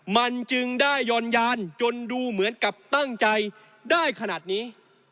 มันจึงได้ยอนยานจนดูเหมือนกับตั้งใจได้ขนาดนี้